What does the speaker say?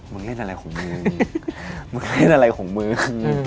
เล่นอะไรของมึงมึงเล่นอะไรของมึง